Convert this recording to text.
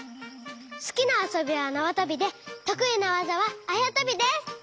すきなあそびはなわとびでとくいなわざはあやとびです！